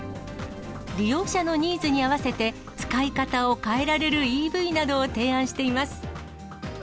利用者のニーズに合わせて、使い方を変えられるＥＶなどを提案しています。